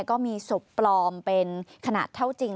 ก็มีศพปลอมเป็นขนาดเท่าจริง